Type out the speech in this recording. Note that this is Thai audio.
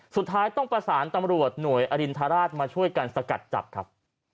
สุดท้ายต้องประสานตำรวจหน่วยอรินทราชมาช่วยกันสกัดจับครับ